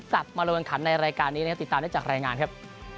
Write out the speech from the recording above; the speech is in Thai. กลับมารวมกันขันในรายการนี้นะครับติดตามได้จากรายงานครับ